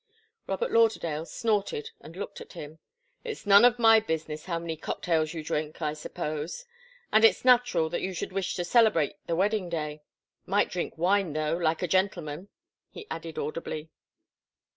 Robert Lauderdale snorted and looked at him. "It's none of my business how many cocktails you drink, I suppose and it's natural that you should wish to celebrate the wedding day. Might drink wine, though, like a gentleman," he added audibly.